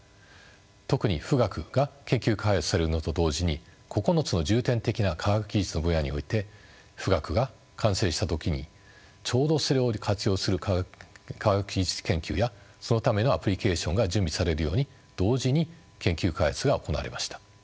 特に富岳が研究開発されるのと同時に９つの重点的な科学技術の分野において富岳が完成した時にちょうどそれを活用する科学技術研究やそのためのアプリケーションが準備されるように同時に研究開発が行われました。